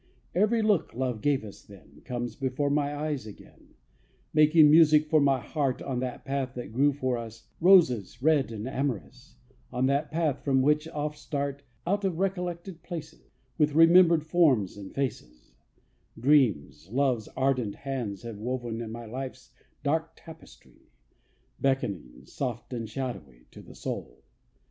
Every look love gave us then Comes before my eyes again, Making music for my heart On that path, that grew for us Roses, red and amorous, On that path, from which oft start, Out of recollected places, With remembered forms and faces, Dreams, love's ardent hands have woven In my life's dark tapestry, Beckoning, soft and shadowy, To the soul.